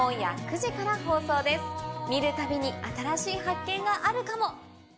見るたびに新しい発見があるかも。